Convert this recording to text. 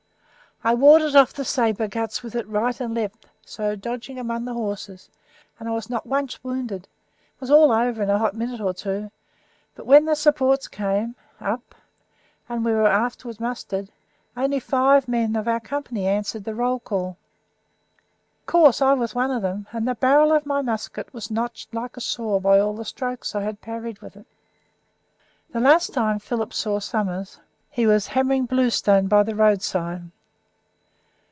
I warded off the sabre cuts with it right and left, so, dodging among the horses, and I was not once wounded. It was all over in a hot minute or two, but, when the supports came up, and we were afterwards mustered, only five men of our company answered the roll call. Of course I was one of them, and the barrel of my musket was notched like a saw by all the strokes I had parried with it." The last time Philip saw Summers he was hammering bluestone by the roadside.